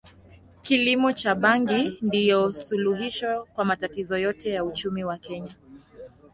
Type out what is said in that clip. kilimo cha bangi ndio suluhisho kwa matatizo yote ya uchumi wa Kenya